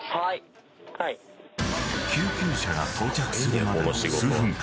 ［救急車が到着するまでの数分間］